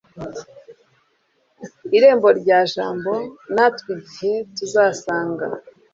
irembo rya jambo, natwe igihe tuzasanga